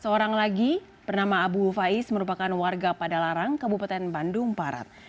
seorang lagi bernama abu fais merupakan warga pada larang kabupaten bandung barat